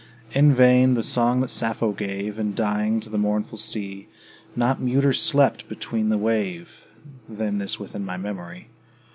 In vain: the song that Sappho gave, In dying, to the mournful sea, Not muter slept beneath the wave Than this within my memory.